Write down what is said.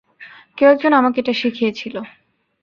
কেউ একজন আমাকে এটা শিখিয়েছিল।